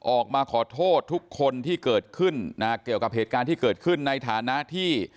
ออกมาขอโทษทุกคนที่เกิดขึ้นนะเกี่ยวกับเหตุการณ์ที่เกิดขึ้นในฐานะที่